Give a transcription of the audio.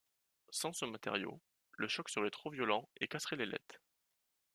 Sans ce matériau, le choc serait trop violent et casserait l'ailette.